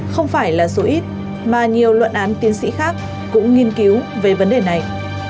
không phải là số ít mà nhiều luận án tiến sĩ khác cũng nghiên cứu về vấn đề này